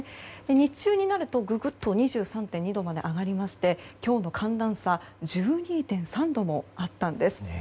日中になると、ググッと２３．２度まで上がりまして今日の寒暖差１２．３度もあったんです。